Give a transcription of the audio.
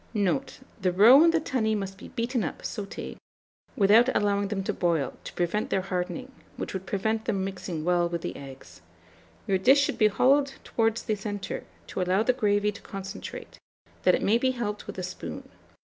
Note. The roe and the tunny must be beaten up (sauté) without allowing them to boil, to prevent their hardening, which would prevent them mixing well with the eggs. Your dish should be hollowed towards the centre, to allow the gravy to concentrate, that it may be helped with a spoon.